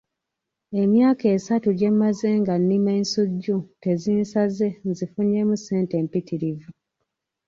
Emyaka esatu gye mmaze nga nnima ensujju tezinsaze nzifunyeemu ssente empitirivu.